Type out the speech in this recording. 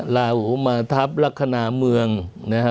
ลาหูมาทัพลักษณะเมืองนะฮะ